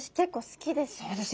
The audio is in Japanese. そうです。